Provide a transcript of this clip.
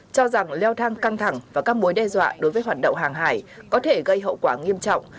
cho rằng leo thang căng thẳng và các mối đe dọa đối với hoạt động hàng hải có thể gây hậu quả nghiêm trọng